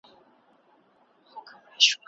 هغه د خپلې کورنۍ په غېږ کې یوه نیکمرغه ښځه وه.